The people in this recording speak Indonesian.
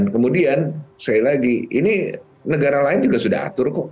kemudian sekali lagi ini negara lain juga sudah atur kok